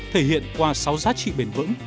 thể hiện qua sáu giá trị bền vững